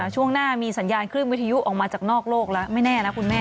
ช่วงหน้ามีสัญญาณคลื่นวิทยุออกมาจากนอกโลกแล้วไม่แน่นะคุณแม่